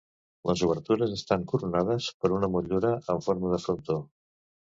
Les obertures estan coronades per una motllura en forma de frontó.